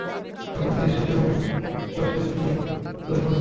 অত্যন্ত প্রত্যুষে উকবার মেষগুলো নিয়ে বেরিয়ে পড়তে অভ্যস্ত হয়ে পড়েছে।